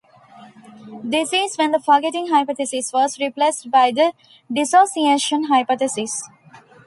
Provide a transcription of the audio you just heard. This is when the forgetting hypothesis was replaced by the dissociation hypothesis.